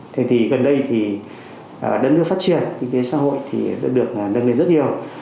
thế thì gần đây thì đất nước phát triển kinh tế xã hội thì được nâng lên rất nhiều